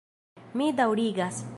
Mi daŭrigas.